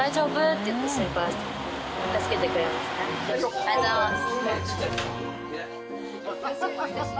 ありがとうございます。